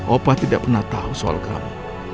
opah tidak pernah tau soal kamu